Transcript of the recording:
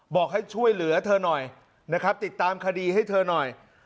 บอกให้ช่วยเหลือเธอหน่อยนะครับติดตามคดีให้เธอหน่อย